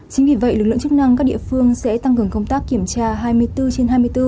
chính vì vậy lực lượng chức năng các địa phương sẽ tăng cường công tác kiểm tra hai mươi bốn trên hai mươi bốn